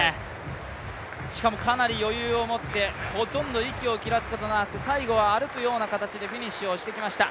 しかも、かなり余裕を持ってほとんど息を切らすことなく最後は歩くような形でフィニッシュをしてきました。